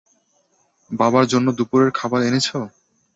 বাবার জন্য দুপুরের খাবার এনেছো?